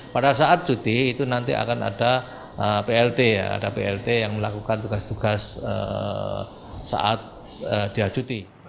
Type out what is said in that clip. pada saat cuti itu nanti akan ada plt ya ada plt yang melakukan tugas tugas saat dia cuti